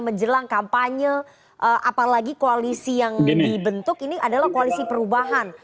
menjelang kampanye apalagi koalisi yang dibentuk ini adalah koalisi perubahan